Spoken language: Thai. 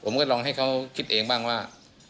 ลองให้เขาคิดเองบ้างว่า